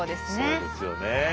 そうですよね。